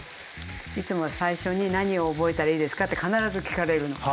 いつも最初に何を覚えたらいいですかって必ず聞かれるの。